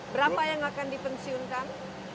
berapa yang akan dipensiunkan